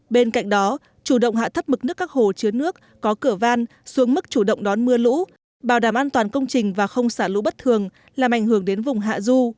bên cạnh đó chủ động hạ thấp mực nước các hồ chứa nước có cửa van xuống mức chủ động đón mưa lũ bảo đảm an toàn công trình và không xả lũ bất thường làm ảnh hưởng đến vùng hạ du